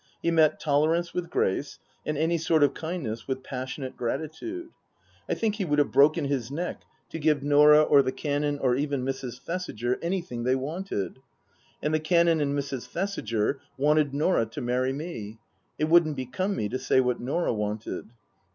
He met tolerance with grace, and any sort of kindness with passionate gratitude. I think he would have broken his neck to give Norah or Book II : Her Book 169 the Canon or even Mrs. Thesiger anything they wanted. And the Canon and Mrs. Thesiger wanted Norah to marry me. It wouldn't become me to say what Norah wanted.